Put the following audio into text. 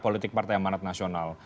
politik partai amanat nasional